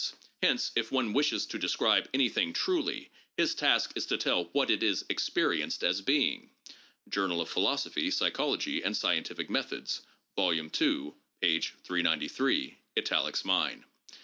Hence, if one wishes to describe anything truly, his task is to tell what it is experienced as being. '' {Journal of Philosophy, Psy chology, and Scientific Methods, Vol. II, p. 393; italics mine.)